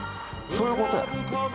そういうことや。